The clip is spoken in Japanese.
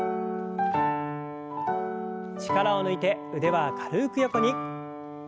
力を抜いて腕は軽く横に。